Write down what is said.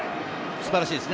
素晴らしいですね。